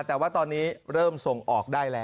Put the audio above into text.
แต่ว่าตอนนี้เริ่มส่งออกได้แล้ว